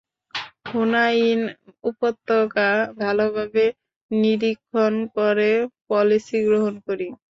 হুনাইন উপত্যকা ভালভাবে নিরীক্ষণ করে পলিসি গ্রহণ করি।